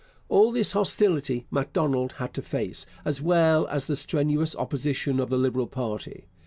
All this hostility Macdonald had to face, as well as the strenuous opposition of the Liberal party.